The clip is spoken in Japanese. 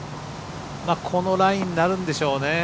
このラインになるんでしょうね。